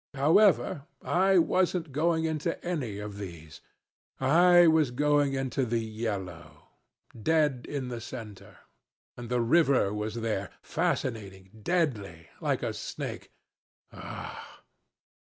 However, I wasn't going into any of these. I was going into the yellow. Dead in the center. And the river was there fascinating deadly like a snake. Ough!